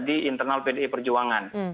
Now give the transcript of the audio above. di internal pdi perjuangan